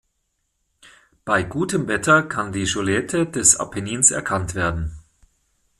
Bei gutem Wetter kann die Silhouette des Apennins erkannt werden.